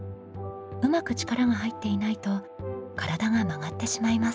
うまく力が入っていないと体が曲がってしまいます。